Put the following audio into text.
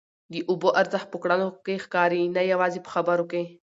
د اوبو ارزښت په کړنو کي ښکاري نه یوازي په خبرو کي.